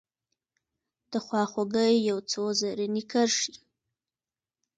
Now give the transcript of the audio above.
دخوا خوګۍ یو څو رزیني کرښې